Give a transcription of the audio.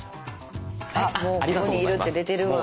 あもうここにいるって出てるわ。